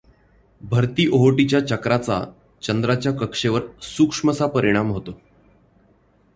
भरती ओहोटीच्या चक्राचा चंद्राच्या कक्षेवर सूक्ष्मसा परीणाम होतो.